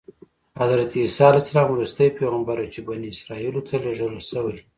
حضرت عیسی علیه السلام وروستی پیغمبر و چې بني اسرایلو ته لېږل شوی.